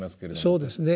そうですね。